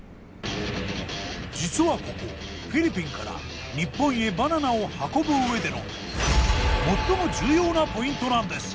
実はここフィリピンから日本へバナナを運ぶ上での最も重要なポイントなんです。